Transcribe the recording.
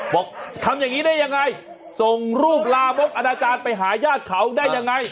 บอกทำอย่างนี้ได้ยังไงส่งรูปลามกอนาจารย์ไปหาญาติเขาได้ยังไง